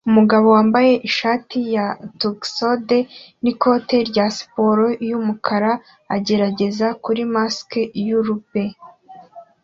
Umugabo wambaye ishati ya tuxedo n'ikote rya siporo yumukara agerageza kuri mask ya rubber